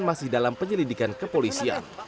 masih dalam penyelidikan kepolisian